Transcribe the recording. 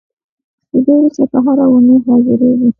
له دې وروسته به هر اوونۍ حاضرېږو.